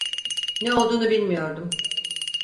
Ne olduğunu bilmiyordum.